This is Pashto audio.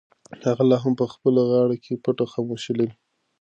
هغه لا هم په خپله غاړه کې پټه خاموشي لري.